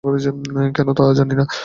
কেন তা জানি না।